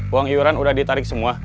uang iuran udah ditarik semua